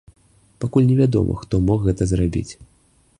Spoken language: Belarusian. Пакуль невядома, хто мог гэта зрабіць.